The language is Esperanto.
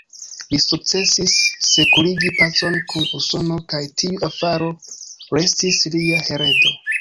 Li sukcesis sekurigi pacon kun Usono kaj tiu faro restis lia heredo.